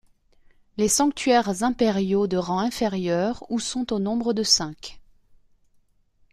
Les sanctuaires impériaux de rang inférieur ou sont au nombre de cinq.